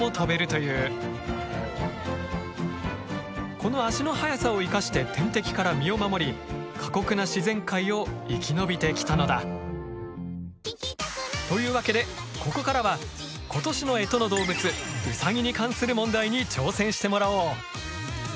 この足の速さを生かして天敵から身を守り過酷な自然界を生き延びてきたのだ！というわけでここからは今年の干支の動物ウサギに関する問題に挑戦してもらおう！